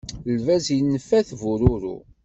Lbaz infa-t bururu.